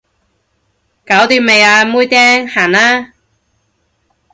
搞掂未啊妹釘，行啦